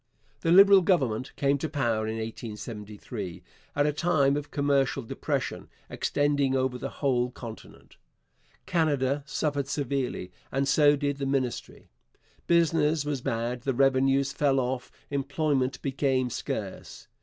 The Liberal Government came to power in 1873 at a time of commercial depression extending over the whole continent. Canada suffered severely; and so did the Ministry. Business was bad, the revenues fell off, employment became scarce.